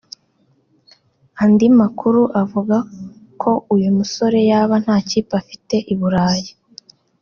Andi makuru avuga ko uyu musore yaba nta kipe afite I Burayi